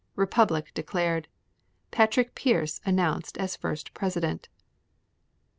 Republic declared. Patrick Pearse announced as first president. 29.